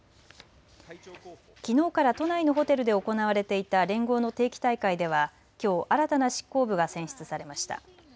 きのうから都内のホテルで行われていた連合の定期大会ではきょう新たな執行部が選出されました。